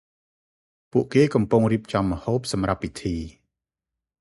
ពួកគេ កំពុងរៀបចំម្ហូបសំរាប់ពីធី ។